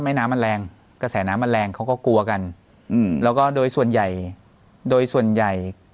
ไม้น้ำมันแรงกระแสน้ำมันแรงเขาก็กลัวกันอืมแล้วก็โดยส่วนใหญ่